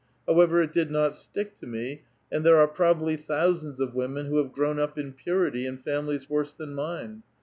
However, it did not stick to me ; and t.bere are probably thousands of women who have grown up i.u purity in families worse than mine.